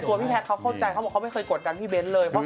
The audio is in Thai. ตัวพี่แพทย์เขาเข้าใจเขาพูดไม่เคยกดกันพี่เบนเลย